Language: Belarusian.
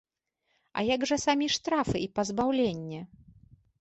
А як жа самі штрафы і пазбаўленне?